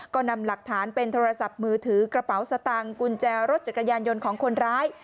ก็นำหลักฐานเป็นโทรศัพท์มือถือกระเป๋าสตางค์กุญแจรถจักรยานยนต์ของคนร้าย